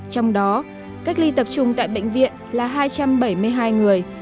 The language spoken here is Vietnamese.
trong đó cách ly tập trung tại bệnh viện là hai trăm bảy mươi hai người